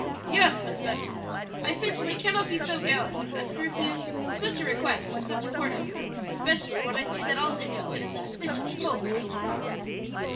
"Yes, Miss Betty; I certainly cannot be so gallant as to refuse such a request from such a quarter, especially when I see that all interested in the decision hope I will not."